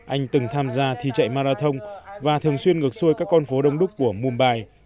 anh từng tham gia thi chạy marathon và thường xuyên ngược xuôi các con phố đông đúc của mumbai